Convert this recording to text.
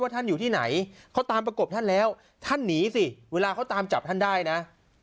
ท่านอยู่ที่ไหนเขาตามประกบท่านแล้วท่านหนีสิเวลาเขาตามจับท่านได้นะ